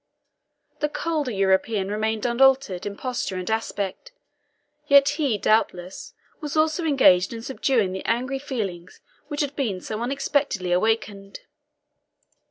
The colder European remained unaltered in posture and aspect; yet he, doubtless, was also engaged in subduing the angry feelings which had been so unexpectedly awakened.